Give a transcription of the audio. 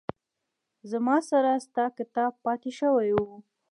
زما سره ستا کتاب پاتې شوي وه